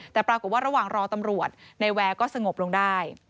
แต่ปรากฏว่าระหว่างรอตำรวจนายแวร์ก็สงบลงได้